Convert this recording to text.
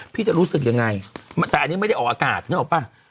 จะรู้สึกยังไงแต่อันนี้ไม่ได้ออกอากาศนึกออกป่ะ